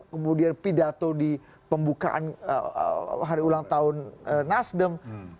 kemudian pidato di pembukaan hari ulang tahun nasdem